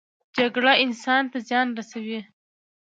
جګړه انسان ته زیان رسوي